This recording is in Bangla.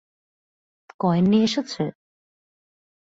কয়েন নিয়ে এসেছে?